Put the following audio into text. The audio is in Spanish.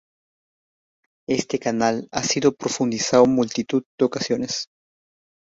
Este canal ha sido profundizado multitud de ocasiones.